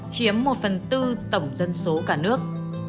chiếm một phần tư tổng dân số cả nước